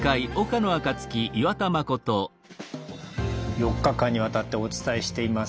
４日間にわたってお伝えしています